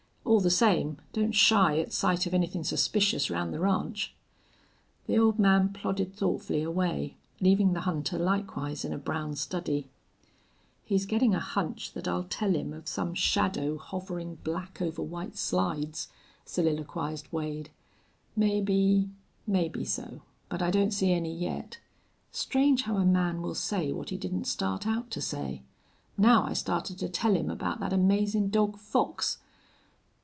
All the same, don't shy at sight of anythin' suspicious round the ranch." The old man plodded thoughtfully away, leaving the hunter likewise in a brown study. "He's gettin' a hunch that I'll tell him of some shadow hoverin' black over White Slides," soliloquized Wade. "Maybe maybe so. But I don't see any yet.... Strange how a man will say what he didn't start out to say. Now, I started to tell him about that amazin' dog Fox."